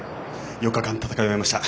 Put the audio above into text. ４日間、戦い抜きました。